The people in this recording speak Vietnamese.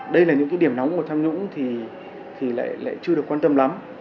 đây là những cái điểm nóng của tham nhũng thì lại chưa được quan tâm lắm